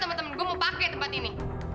temen temen gue mau pakai tempat ini